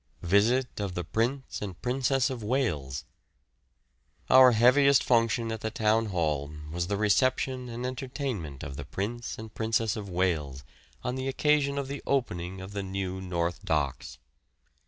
VISIT OF THE PRINCE AND PRINCESS OF WALES. Our heaviest function at the Town Hall was the reception and entertainment of the Prince and Princess of Wales on the occasion of the opening of the new north docks.